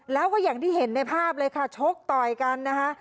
แล้วก็อย่างที่เห็นในภาพเลยค่ะชกต่อยกันนะคะ